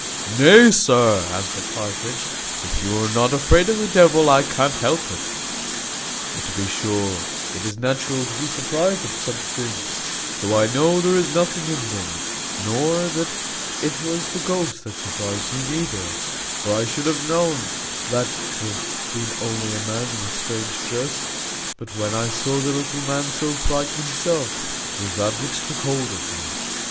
"Nay, sir," answered Partridge, "if you are not afraid of the devil, I can't help it; but to be sure, it is natural to be surprized at such things, though I know there is nothing in them: not that it was the ghost that surprized me, neither; for I should have known that to have been only a man in a strange dress; but when I saw the little man so frightened himself, it was that which took hold of me."